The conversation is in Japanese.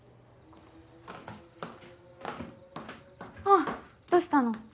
あっどうしたの？